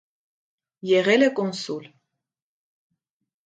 Եղել է կոնսուլ։